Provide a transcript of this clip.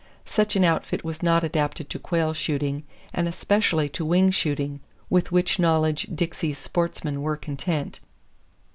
Such an outfit was not adapted to quail shooting and especially to wing shooting, with which knowledge Dixie's sportsmen were content.